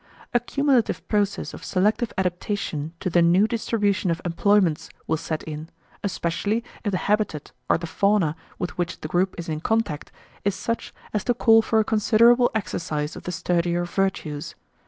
A cumulative process of selective adaptation to the new distribution of employments will set in, especially if the habitat or the fauna with which the group is in contact is such as to call for a considerable exercise of the sturdier virtues.